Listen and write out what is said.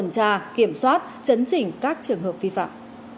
tra kiểm soát chấn chỉnh các trường hợp vi phạm